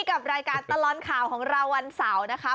กับรายการตลอดข่าวของเราวันเสาร์นะคะ